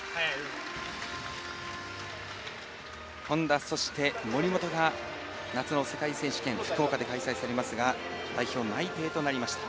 本多、森本が夏の世界選手権福岡で開催されますが代表内定となりました。